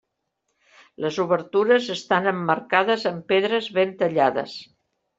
Les obertures estan emmarcades amb pedres ben tallades.